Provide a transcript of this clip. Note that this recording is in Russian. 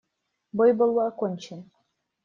Бой был окончен.